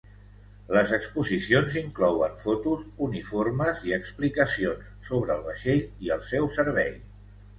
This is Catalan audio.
Les exposicions inclouen fotos, uniformes i explicacions sobre el vaixell i el seu servei.